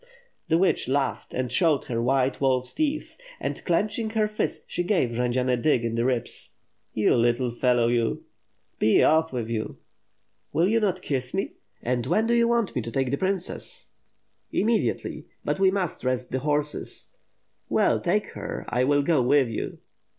The witch laughed and showed her white wolfs teeth; and, clenching her fist, she gave Jendzian a dig in the ribs. "You little fellow, you." "Be off with you." "Will you not kiss me? And when do you want to take the princess?" 5c6 WITH FIRE AND SWORD. "Immediately. But we must rest the horses/' "Well, take her, I will go with you."